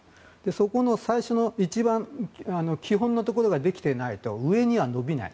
そこの最初の一番基本のところができていないと上には伸びない。